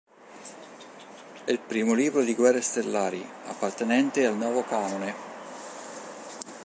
È il primo libro di "Guerre stellari" appartenente al nuovo canone.